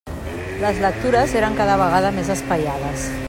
Les lectures eren cada vegada més espaiades.